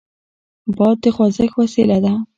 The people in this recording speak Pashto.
باد د خوځښت وسیله ده.